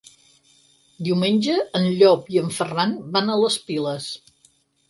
Diumenge en Llop i en Ferran van a les Piles.